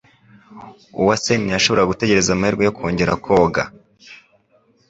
Uwase ntiyashoboraga gutegereza amahirwe yo kongera koga.